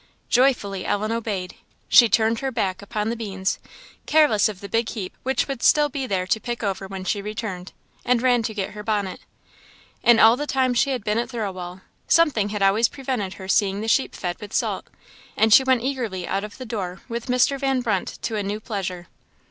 Joyfully Ellen obeyed. She turned her back upon the beans, careless of the big heap which would still be there to pick over when she returned, and ran to get her bonnet. In all the time she had been at Thirlwall, something had always prevented her seeing the sheep fed with salt, and she went eagerly out of the door with Mr. Van Brunt to a new pleasure.